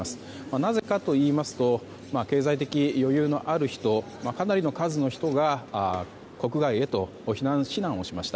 なぜかといいますと経済的余裕のある人かなりの数の人が国外へと避難をしました。